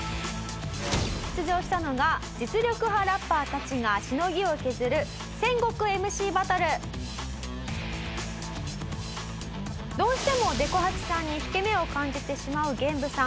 出場したのが実力派ラッパーたちがしのぎを削るどうしてもでこ八さんに引け目を感じてしまうゲンブさん。